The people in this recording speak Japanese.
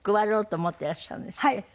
はい。